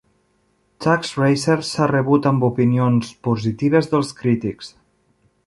"Tux Racer" s'ha rebut amb opinions positives dels crítics.